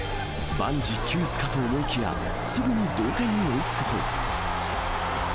万事休すかと思いきや、すぐに同点に追いつくと。